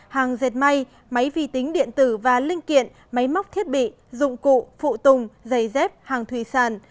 hàng dệt may máy vi tính điện tử và linh kiện máy móc thiết bị dụng cụ phụ tùng giày dép hàng thủy sản